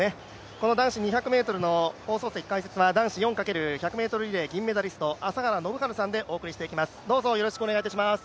この男子２００ｍの放送席解説は男子４ｘ１００ｍリレー銀メダリスト朝原宣治さんでお送りしていきます。